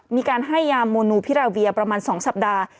มีการให้ยาโมนูพิราเวียประมาณ๒สัปดาห์